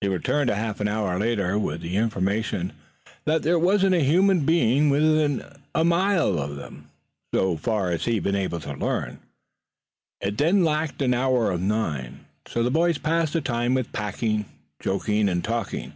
He returned half an hour later with the information that there wasn't a human being within a mile of them so far as he had been able to learn. It then lacked an hour of nine, so the boys passed the time with packing, joking and talking.